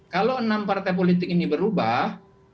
kalau enam partai politik ini berubah